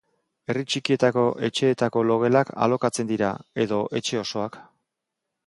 Herri txikietako etxeetako logelak alokatzen dira, edo etxe osoak.